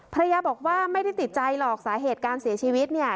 ภรรยาบอกว่าไม่ได้ติดใจหรอกสาเหตุการเสียชีวิตเนี่ย